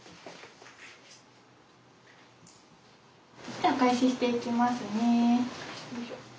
じゃあ開始していきますね。